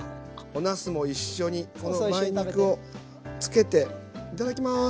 おなすも一緒にこの梅肉をつけていただきます！